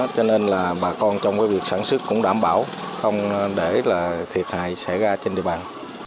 cho nên là bà con trong việc sản xuất cũng đảm bảo không để là thiệt hại xảy ra trên địa bàn